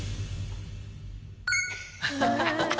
ハハハハハ！